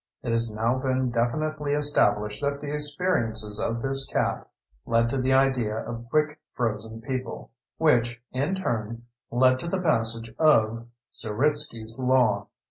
It has now been definitely established that the experiences of this cat led to the idea of quick frozen people, which, in turn, led to the passage of Zeritsky's Law.